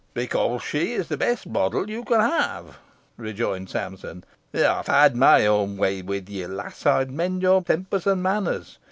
"Because she's the best model you can have," rejoined Sampson. "Ah! if I'd my own way wi' ye, lass, I'd mend your temper and manners.